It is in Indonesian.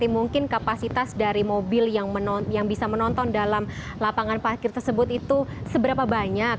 mungkin kapasitas dari mobil yang bisa menonton dalam lapangan parkir tersebut itu seberapa banyak